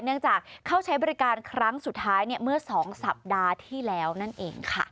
เนื่องจากเข้าใช้บริการครั้งสุดท้ายเมื่อ๒สัปดาห์ที่แล้วนั่นเองค่ะ